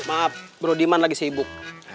maaf bro diman lagi sibuk